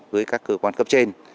với các cơ quan cấp trên